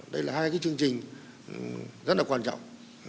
đây là hai cái chương trình rất là quan trọng